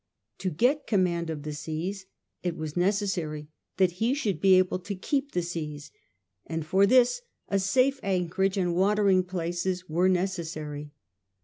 To get the command of the seas it was necessary that he should be able to keep the seas, and for this a safe anchorage and watering places were necessary.